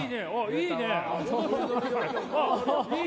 いいね。